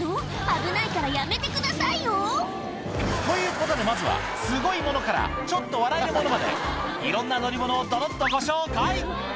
危ないからやめてくださいよということでまずはすごいものからちょっと笑えるものまでいろんな乗り物をどどっとご紹介